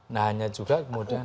nah hanya juga kemudian